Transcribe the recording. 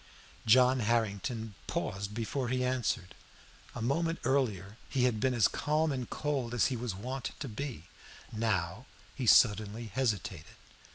John Harrington paused before he answered. A moment earlier he had been as calm and cold as he was wont to be; now, he suddenly hesitated.